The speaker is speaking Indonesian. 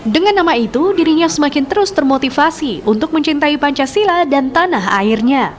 dengan nama itu dirinya semakin terus termotivasi untuk mencintai pancasila dan tanah airnya